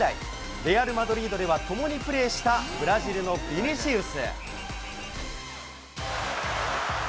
レアル・マドリードでは共にプレーしたブラジルのヴィニシウス。